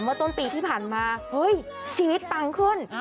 เมื่อต้นปีที่ผ่านมาชีวิตปังขึ้น